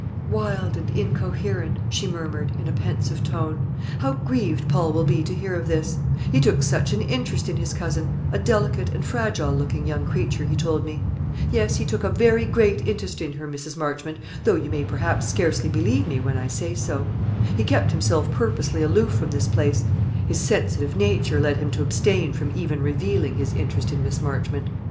"Wild and incoherent!" she murmured, in a pensive tone. "How grieved Paul will be to hear of this! He took such an interest in his cousin a delicate and fragile looking young creature, he told me. Yes, he took a very great interest in her, Mrs. Marchmont, though you may perhaps scarcely believe me when I say so. He kept himself purposely aloof from this place; his sensitive nature led him to abstain from even revealing his interest in Miss Marchmont.